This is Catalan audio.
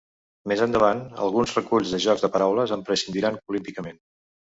Més endavant, alguns reculls de jocs de paraules en prescindiran olímpicament.